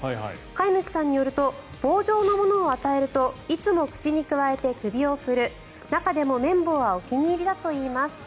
飼い主さんによると棒状のものを与えるといつも口にくわえて首を振る中でも綿棒はお気に入りだといいます。